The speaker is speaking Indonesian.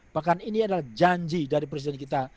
bahkan ini adalah janji dari presiden kita